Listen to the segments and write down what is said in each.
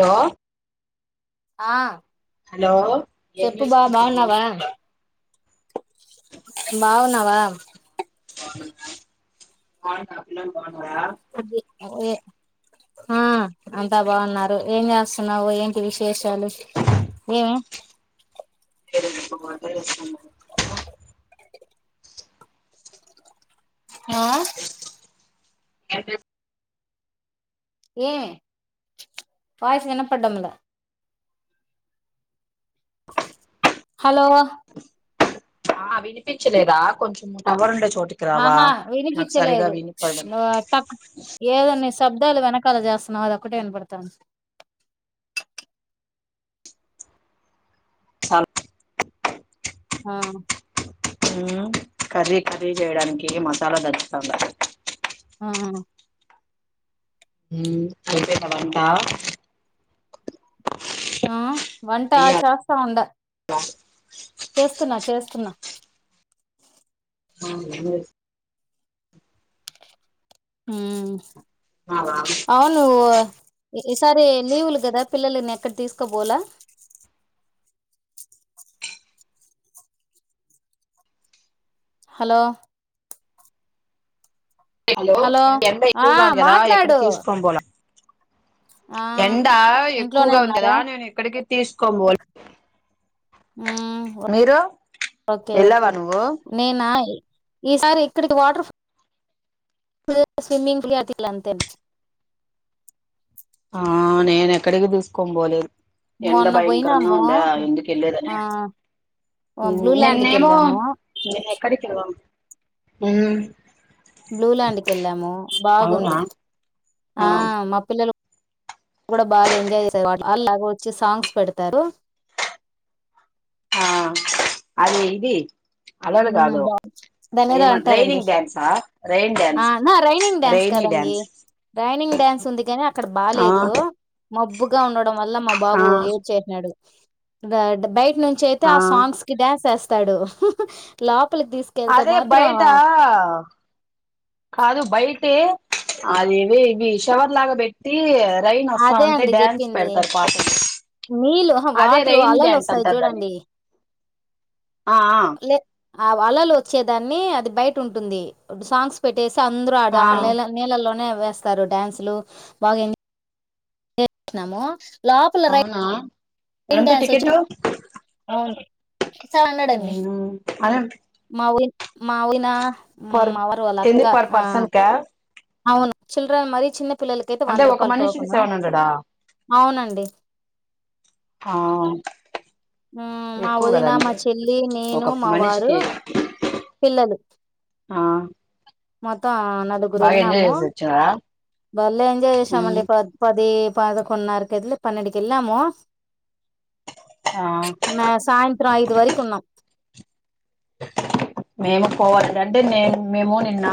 Hello ఆ hello చెప్పు ఏంచేస్తున్నావ్ బావునావార కొ కాల అదే అే ఆ అంతా బాగున్నారు ఏం చేస్తున్నావు ఏంటి విశేషాలు ఏమి చె ఆ ఏ ఏ పయసు ఎనప్పడ్డముల హలో ఆ వినిపించలేదా కొంచెం నవరు ఉండొచ్చ ఆహా వినిపించలేదు వినిపడడం ఏదని శబ్దాలు వెనక అలా చేస్తున్నావు అదిొక్కటే విన పడతాం చ హా కర్రీ కర్రీ చేయడానికి మసాలా తెచ్చుంద ఆ అదితే వంటా ఆ వంట చెయ్యాలా చేస్తా ఉండ చేస్తున్నా చేస్త పప్పున్నా ఆ హ అవును ఈసారి లీవులు కదా పిల్లలని ఎక్కడ తీసుకోపోాల హలో హలో ఎంత ఆ ఎక్కువగా ఉంది కదా ఎక్కడ మాట్లాడు తీసుకోని పోల ఆ ఎండ ఇంట్లోనే ఎక్కువగా ఉన్నారా ఉందిదా నేను ఎక్కడిక తీస్కోంబోల్ వెళ్ళావా ఓకేకే నువ్వు నేనా ఈసారి ఇక్కడికి వాటర్ా స్విమ్మింగ్ క్లియర్లా అంతేనే ఆ నేను ఎక్కడికి తీూసుకోని పోలేదు ఎండ మొన్న భయంకరంగా పోయినాము ఉంట ఆ ఎందుకలిదనే బ్లూ ల్యాండ్ కి నిన్నవ వెళ్ళాము నిన్న ఎక్కడ అవు బ్లూలాయాండ్కి వెళ్ళాము అవునా బాగుంది ఆ మా పిల్లలు కూడా బాగా ఎంజాయ్ చేస్తారు వా వాళ్ళలాగా వచ్చి సాంగ్స్ పెడతారు ఆ అదే ఇది అలలు కాదు బాగు దాన్నేదో ఏమ అంటారండి రైనింగ్ డ్యాన్సా రైన్ ఆ డ్యాన్స్ నా రైనింగ్ డ్యాన్స్ రైనీ కదండి డ్యాన్స్ రైనింగ్ డ్యాన్స్ ఉంది కదా అక్కడ ఆ బాలేదు మబ్బుగా ఉన్న డం వల్ల మా ఆ బాబు ఏది చేరిడు ద అంటే బయ నుంచి అయితే ఆ సాంగ్స్ కి డాన్స్ వేస్తా స్తాడు లా అదే బయట కాదు బయట ఏ అదేలే మీషవర్లాగా బట్టి రెయిన్ వస్తా అదే ఉంటే అండి డ్యాన్స్ చెప్పింది పెడతారు పాట నీళ్ళు అదే వాటర్ రెయిన్ అలలు డ్యాన్స్ వస్తాయి అంటారు దాన్ని చూడండి ఆ ఆ లే ఆ అలలు వచ్చేదాన్ని అది బయట ఉంటుంది సాంగ్స్ పెట్టి సా అందరూ ఆ నల నీలలోనే వేస్తారు డ్యాన్సులు బాగా ఎం చేస్తున్నాము అవునా ఎంత వచ్చి టికెట్ అవును సెవ్న్ హండ్రెడ్ అండి అదే మా ఊ మాఊళ్ళో పర్ ఎన్ని పర్ పర్సన్ క అవును చిల్డ్రన్ మరి చిన్న పిల్లలకైతే అంటే వంద ఒక రూపాయల మనిషికి టోకను సెవెన్ హండ్రెడా అవునండి ఆ హ్మ్ మా ఎక్కువ వదిన కదండి మా చెల్లి నేను ఒక మా వారు మనిషికి పిల్లలు ఆ మాక్ మొత్తం నలుగురు బాగా ఎంజాయ్ వెళ్ళినాము చేసి వచ్చినారా భలే ఎంజాయ్ చేసామండి ఉమ్ పది పది పదకొండున్నరకైతే పన్నెండ్కెల్లాము ఆ మ సాయంత్రం ఐదు వరకు ఉన్నాం మేము పోవాలి అంటే నేను మేము నిన్న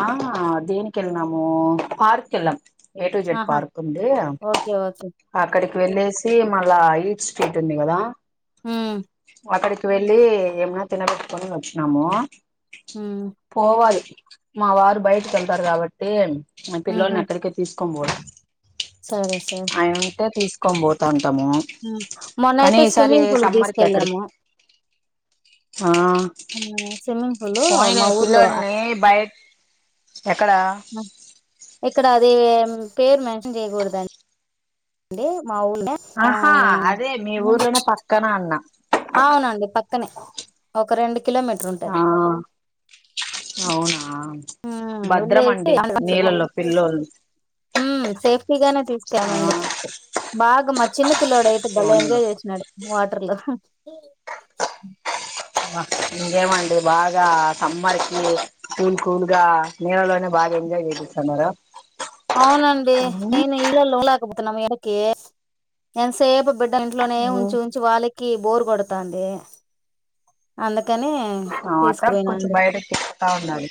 దేనికి వెళ్నాము పార్క్కి వెళ్ళాం ఏ టు జెడ్ ఆహా పార్క్ ఉంటే ఈడ, ఓకే ఓకే అక్కడికి వెళ్ళేసి మళ్ళా న్నీదా ఊ అక్కడికి వెళ్ళి ఏమైనా తినబెట్టుకొని వచ్చు వచ్చాము మ్మ్ పోవాలి మా వారు బయటకు వెళ్తారు కాబట్టి మా పిల్లల్ని మ్హు అక్కడికే తీసు కొంబోల్ అనుంటే తీసు క్కం పోతాను మ్ మొన్నయితే స్విమ్మింగ్ పూల్ సమ్మర్ కి ఎక్కడికి తీసుకెళ్ళాము ఆ హ్మ్. స్విమ్మింగ్ పూల్ పోనీలే మా ఊర్లో పిల్లోన్ని బై ఇక్కడ అదే మ్ పేరు మెన్షన్ చేయ్యకూడదండి అే ఆహా అదే మీ ఊర్లోనే పక్కన అన్న అవునండి పక్కనే ఒక రెండు కిలోమీటర్ ఆ ఉంటది ఆ ఉమ్ వెళ్లేేసి పిల్లోల్లు ఉమ్ సేఫ్టీగానే ఆ తీసుకెల్లమండి బాగ మా చిన్న పి పిల్లోడు అయితే భలే పోనీలే ఎంజాయ్ చేసినడు వ వాట్రల్లో ఇంకేమండి బాగా సమ్మర్ కి కూల్ కూల్ గా నీళలోనే బాగా ఎంజాయ్ చేపిస్తున్నారు అవునండి నె ఇళ్ళల్లో లోలక పో నం ఎడికి ఎంసేపు బిడను ఇంట్లోనే ఉంచి ఉమ్ ఉంచి వాళ్ళకి కి బోర్ కొడతంది అందుకని అట్లా కొంచెం తీసుపోయినండి బయటకి తిప్పుతా ఉండాలి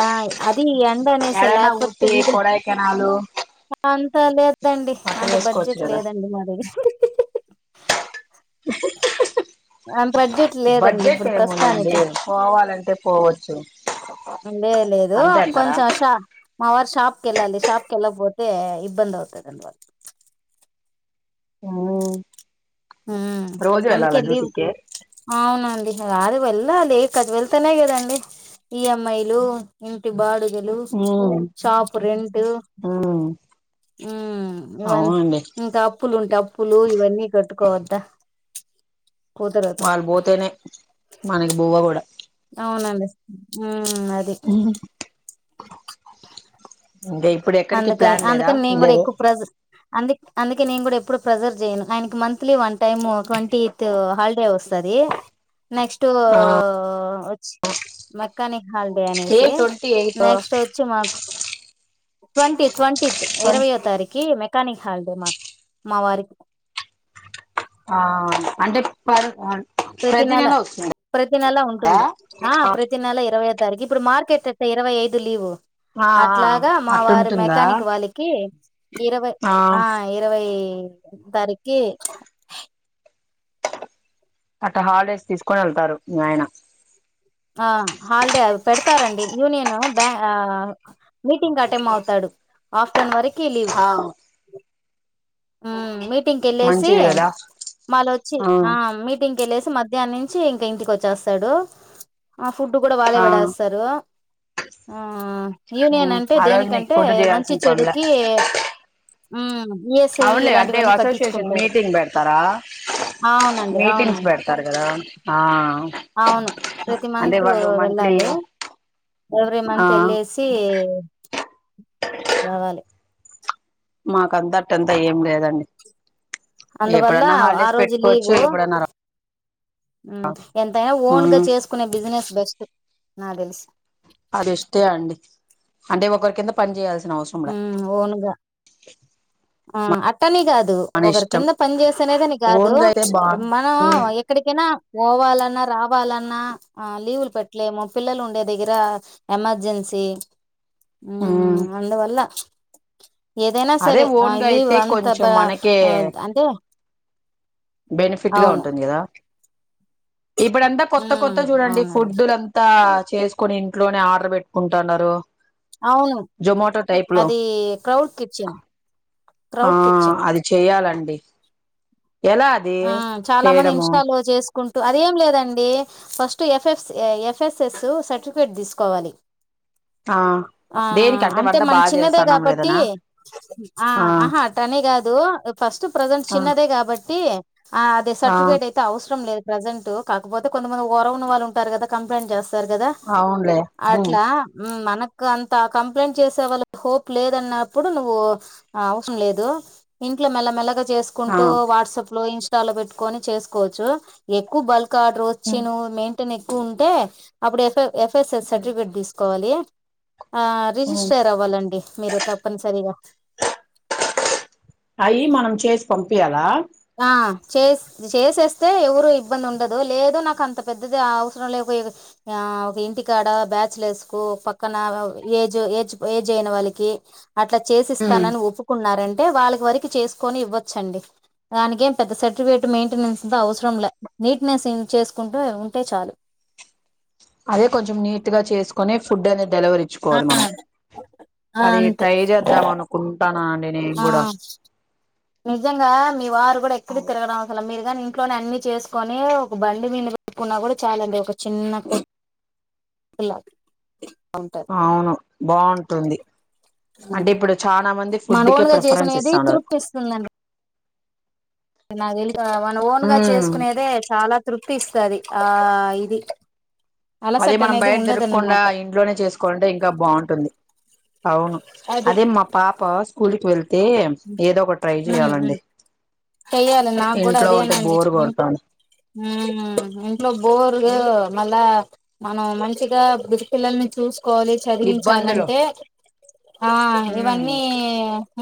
ఆ అది ఎండ అనేసి ఏడైనా లేకపోతే ఊటీ వీధిన కొడైకెనాలు అంత లేదండి అట్లా అంత వేసుకోవచ్చు బడ్జెట్ కదా లేదండి మా దగ్గ అ త్ర బడ్జెట్ లెద్ బడ్జెట్ ఇప్పుడు ఏముందండి ప్రస్తుానికి పోవాలంటే పోవచ్చు లే లేదు అంతే అంటారా కొంచెం మా వారి షాప్కి వెళ్ళాలి షాప్కి వెళ్లకపోతే ఇబ్బంది అవుతుది అన్వాల్ ఉ రోజు అందుకె వెళ్ళాలా లీవ్ డ్యూటీకి అవునండి ఇంకా రారు వెళ్ళాలి కథ వెళ్తానే కదండి ఈఎమ్ఐయిలు ఇంటి బాడు ఉమ్ షాపు రెంట్ ఇ ఉమ్ అవునండి ఇకా అప్పులు ఉంటా అప్పు పులు ఇవన్నీ కట్టుకోవద్దా కుదరదు వాళ్ళు పోతేనే మనకి బువ్వ కూడా అవున అందస్తా ఉ అది ఇంకా ఇప్పుడు ఎక్కడికి ప్లాన్ లేదా వలేదు అందుే అందుకే నేను కూడా ఎప్పుడు ప్రిజర్వ్ చేయను ఆయనకి monthly one time twenty eighth holiday వస్తుంది నెక్స్ట్ ఆ మక్కానే హల్డే ఏ అనేసి ట్వంటీ ఎయిట్ నెక్స్ట్ వచ్చి బ ట్వంటీ ట్వంట ఇ ట్వం ఇరవైో తారీకి మె కానీ హల్ిడే మాకు మా వారికి ఆ అంటే పరు ప్రతి నెల ప్రతి నెల ఉంటుంది ఆ ప్రతిీ నెల ఇరవై ఐదు సరికి ఇప్పుడు మార్కెట్ ఎతే ఇరవై ఐదు లీవు్ ఆ ఆ అట్లాగా మా వారి అట్టుంటుందా మెకానిక్ వాళ్ళకి ఇరవై ఆ ఇరవై దరికి అట్ట హాలిడేస్ తీసుకొని వెళ్తారు ఆయన ఆ హాలిడే అ పెడతారంండి యూనియన్ బ్యా మీటింగ్ అటెం అవుతాడు ఆఫ్టర్నూన్ వరకు కలివ్ ఆ మీటింగ్కళ్ళసి మంచిది కదా మళ్ళొచ్చి ఆ మీటింగ్క వెళ్ళసి మధ్యాహ్ నుంచి ఇంకా ఇంటికి వచ్చేస్తాడు ఫుడ్ కూడా వాళ్ళే ఆ పెడేస్తారు ఆ ఆ యూనియన్ అంటే ఆ రోజు మీకు దేనికంటే ఫుడ్ మంచి చేయాల్సిన పనులే చెడుకి ఆ అవునులే అంటే అసోసియేషన్ మీటింగ్ పెడతారా అవునండి మీటింగ్స్ అవునండి పెడతారు కదా ఆ అవును ప్రతి అంటే మంత్ వాళ్ళు మంత్లీ వెళ్ళాలి ఎవ్రీ ఆ మంత్ వెళ్ళేసి రావాలి మాక అంతట్టంతా ఏం లేదండి అందువల్ల ఎప్పుడన్నా ఆ హాలిడేస్ రోజు లీవ్ పెట్టుకోవచ్చు ఎప్పుడన్నా రా ఎంతైనా ఆ ఓన్గా చేసుకునే బిజినెస్ బెస్ట్ నా తెలిసి అది ఇష్టే అండి అంటే ఒకరి కింద పని చేయల్ ఓనుగా అట్టనిగా అ డు మన ఒకరి ఇష్టం కింద పని చేస్తనేదని కాదు ఓన్గా అయితే బాగు మనం ఎక్కడికైనా పోవాలన్నా రావాలన్నా లీవులు పెట్టలేము పిల్లలు ఉండే దగ్గర ఎమర్జెన్సీ ఉ ఉమ్ అందువల్ల ఏదైనా అదే సరే ఓన్ గా లీవ్ అయితే అంత బ కొంచెం మనకే అంటే బెనిఫిట్ గా అవును ఉంటుంది కదా ఇప్పుడంతా కొత్త కొత్త ఉమ్ చూడండి అవునండి ఫుడ్డులంతా చేసుకోని ఇంట్లోనే ఆర్డర్ పెట్టుకుంటున్నారు అవును జొమాటో టైప్ లో అది క్రౌడ్ కిచెన్ ఆ క్రౌడ్ కిచెన్ అది చెయ్యాలండి ఎలా అది చేయడమో కుంటూ అదేం లేదండి ఫస్ట్ ఎఫ్ ఎఫ్ఎస్ఎస్ సర్టిఫికేట్ తీసుకోవాలి ఆ ఆ దేనికంటే అంటే వంట మనం బాగా చిన్నదే చేస్తాన్నాం కాబట్టి లేదనా ఆ ఆహా టనీ కాదు ఫస్ట్ ప్రజెంట్ ఆ చిన్నదే కాబట్టి ఆ అదే సర్టిఫికేట్ అయితే అవసరం లేదు ప్రెజెంట్ కాకపోతే కొంతమంది ర ఉ వాళ్ళుంటారు కంప్లైంట్ చేస్తారు సార్ కదా ఆ అవునులే ఉమ్ అట్లా మన అంత కంప్లైంట్ చేసే వాళ్ళ హోప్ లేదన్నప్పుడు నువ్వు అవసరం లేదు ఇంట్లో మెల్లమెల్లగా ఆ చేసుకుంటూ వాట్సాప్ ఇన్స్టాల్ పెట్టుకని చేసుకోవచ్చు ఎక్కువ బల్క్ కార్డర్ వచ్చి ఉమ్ నువ్వు మేన్ ప ఎక్కువ ఉంటే అప్పుడు ఎ ఎఫ్స్ఎస్ సర్టిఫికేట్ తీసు కోవాలి ఆ ఉమ్. రిజిస్టర్య అవ్వాలండి మీరు తప్పనిసరిగా అయి మనం చేసి పంపయాలా ఆ చే చేసేస్తే ఎవరు ఇబ్బంది ఉండదు లేదు నాకు అంత పెద్దది అవసరం లేకపో ఒక ఇంటికాడ బ్యాచలర్స్ కు పక్కన ఏజ్ ఏజ్ ఏజ్ అయిన వాళ్ళకి అట్లా ఉమ్, చేసిస్తానని ఒప్పుకున్నారండి అంటే వాళ్ళకి వరకి చేసుకొని ఇవ్వచ్చండి దానికేం పెద్ద సర్టిఫికేట్ మెయింటెనెన్స్ంతా అవసరం లే నీట్నెస్ చేసుకుంటూ ఉంటే చాలు అదే కొంచెం నీట్ గా చేసుకొని ఫుడ్ అనే డెలవరి ఆ ఇచ్చుకోవాలి మనం ఆ అది అంతే ట్రై చేద్దాం అనుకుంటాను అండి నేను ఆ కూడా నిజంగా మీ వారు కూడా ఎక్కడి అదే తిరగనవసా అసలు మీరుగాని ఇంట్లోని అన్ని చేసుకొని ఒక బండి మీం పెట్టుకున్నా కూడా చాలండి ఒక చిన్న కొట్టు లా అవును బాగుంటుంది అంటే ఉంటది ఇప్పుడు చాలా మంది మన ఓన్ ఫుడ్కే గా ప్రిఫరెన్స్ చేసుకునేది ఇస్తాండర్ తృప్తి నాక్ తేలి మన ఓన్ గా ఉమ్ చేసుకునేదే చాలా తృప్తి ఇస్తది ఆ ఇది అదే అలసట మనం అనేది బయట తిరకకుండా ఉండదన్నమాట ఇంట్లోనే చేసుకోవాలంటే ఇంకా బాగుంటుంది అవును అది అదే మా పాప స్కూల్కి వెళ్ తే ఏదో ఒకటి ట్రై ఉమ్ ఉమ్ చేయాలండి చెయ్యాలి నాకు కూడా ఇంట్లో ఉంటే అదేనండి బోర్ ఉమ్ కొడతాంది ఇంట్లో బోర్ ఆ మళ్ళా మనం మంచిగా బుృది పిల్లల్ని చూస్ కోలి ఇబ్బందులు చదివించాలంటే ఆ ఉమ్ ఇవన్నీ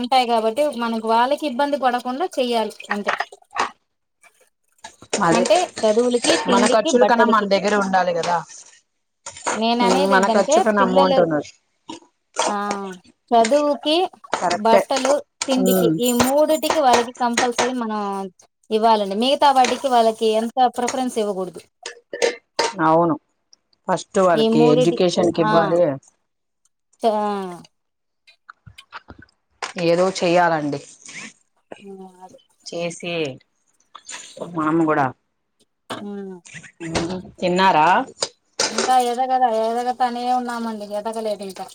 ఉంటాయి కాబట్టి మనకి వాళ్ళకి ఇబ్బంది పడకుండా చెయ్యాలి అంతే అదే అంటే చదువులకి మన తిండికి ఖర్చుల కన్నా మన బట్టలకి దగ్గర ఉండాలి కదా నేన హ్మ్. అనేది మన ఏంటంటే ఖర్చుకన్నా పిల్లలు అమౌంట్ ఉన్నది ఆ చదువుకి కరెక్టే బట్టలు తిండికి ఉమ్ ఈ మూడిటికి వాళ్ళకి కంపల్సరీ మనం ఇవ్వాలండి మిగతా వాటికి వాళ్ళకి ఎంత ప్రిఫరెన్స్ ఇవ్వకూడదు అవును ఫస్ట్ ఈ వాళ్ళకి మూడిటి ఎడ్యుకేషన్ కి ఆ ఇవ్వాలి ఆ ఏదో చెయ్యాలండి ఉ అదే మాము కూడా హమ్ తిన్నారా ఇంకా ఎదగదా ఏదగ తని ఉన్నామండి ఎదగలేదు ఇంకా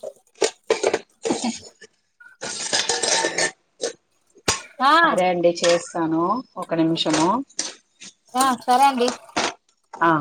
ఆ సరే అండి చేస్ తను ఒక నిమిషము ఆ సరే అండి ఆ